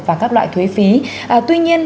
và các loại thuế phí tuy nhiên